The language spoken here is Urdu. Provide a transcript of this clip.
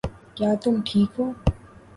کیا تم ٹھیک ہو